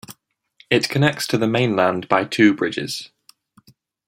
It connects to the mainland by two bridges.